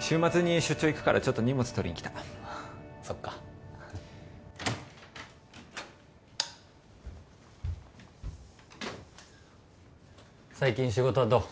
週末に出張行くからちょっと荷物取りに来たそっか最近仕事はどう？